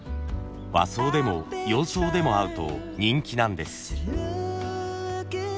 和装でも洋装でも合うと人気なんです。